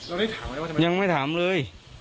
ได้ถามไหมว่าทำไมยังไม่ถามเลย